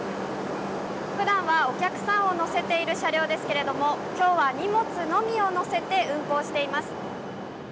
普段はお客さんを乗せている車両ですけれども今日は荷物のみを載せて運行しています。